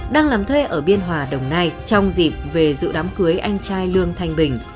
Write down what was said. đang làm thuê ở biên hòa đồng nai trong dịp về dự đám cưới anh trai lương thanh bình